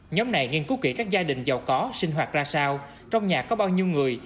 nhóm này nghiên cứu kỹ các gia đình giàu có sinh hoạt ra sao trong nhà có bao nhiêu người